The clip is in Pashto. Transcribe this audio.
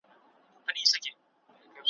تا ویل چي غشیو ته به ټینګ لکه پولاد سمه `